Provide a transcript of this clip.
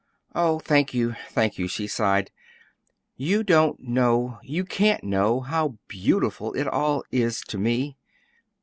"Oh, thank you, thank you," she sighed. "You don't know you can't know how beautiful it all is to me!"